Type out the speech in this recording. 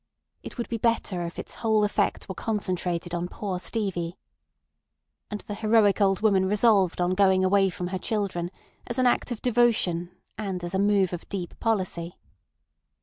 It would be better if its whole effect were concentrated on poor Stevie. And the heroic old woman resolved on going away from her children as an act of devotion and as a move of deep policy.